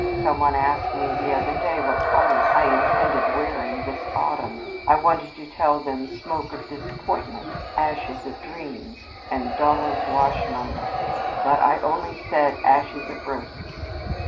Some one asked me the other day what colors I intended wearing this autumn. I wanted to tell them smoke of disappointment, ashes of dreams, and dull as wash Monday. But I only said ashes of roses.